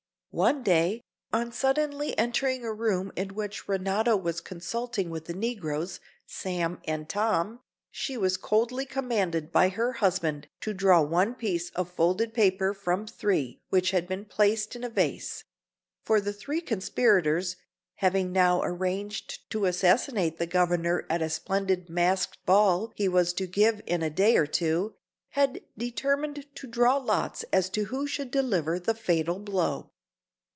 One day, on suddenly entering a room in which Renato was consulting with the negroes, Sam and Tom, she was coldly commanded by her husband to draw one piece of folded paper from three which had been placed in a vase; for the three conspirators, having now arranged to assassinate the Governor at a splendid masked ball he was to give in a day or two, had determined to draw lots as to who should deliver the fatal blow.